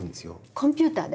コンピューターで？